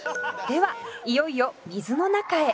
「ではいよいよ水の中へ」